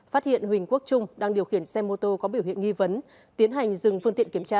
phát hiện huỳnh quốc trung đang điều khiển xe mô tô có biểu hiện nghi vấn tiến hành dừng phương tiện kiểm tra